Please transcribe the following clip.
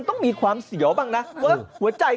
คุณยาวคุณยาย